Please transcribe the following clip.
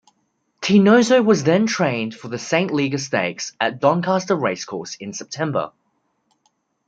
Teenoso was then trained for the Saint Leger Stakes at Doncaster Racecourse in September.